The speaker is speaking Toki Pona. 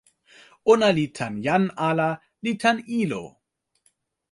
ona li tan jan ala li tan ilo.